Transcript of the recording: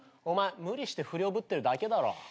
お前無理して不良ぶってるだけだろ。